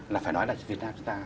là phải nói là việt nam chúng ta